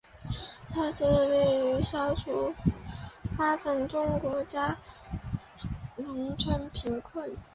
它致力于消除发展中国家的农村贫困。